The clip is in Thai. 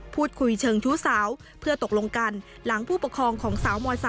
พูดคุยเชิงชู้สาวเพื่อตกลงกันหลังผู้ปกครองของสาวม๓